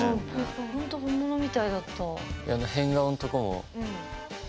ほんと本物みたいだった。